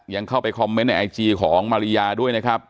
ยังเข้าไปคอมเมนต์ในไอจีของมาริยาด้วยนะครับ